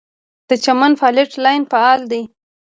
د چمن فالټ لاین فعال دی